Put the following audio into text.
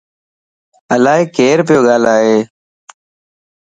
الائي ڪير پيو ڳالائي